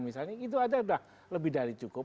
misalnya itu aja udah lebih dari cukup